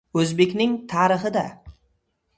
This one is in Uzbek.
O‘zbekning tarixida